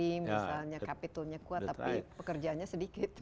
misalnya capitalnya kuat tapi pekerjaannya sedikit